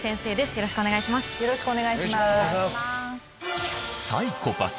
よろしくお願いします。